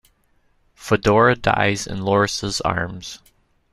Fedora dies in Loris's arms.